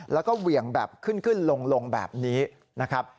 แล้วก็เหวี่ยงแบบขึ้นขึ้นลงแบบนี้นะครับ